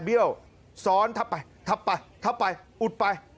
เบี้ยวซ้อนทับไปทับไปทับไปอุดไป